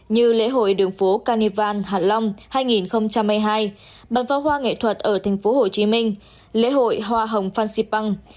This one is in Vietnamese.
như lễ hội đường phố carnival hà long hai nghìn hai mươi hai bàn pháo hoa nghệ thuật ở tp hcm lễ hội hoa hồng phan xipang